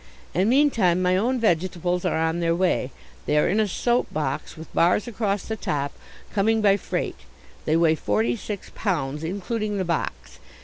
And, meantime, my own vegetables are on their way. They are in a soap box with bars across the top, coming by freight. They weigh forty six pounds, including the box.